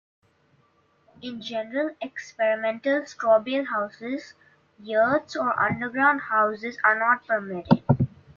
In general, experimental strawbale houses, yurts, or underground houses are not permitted.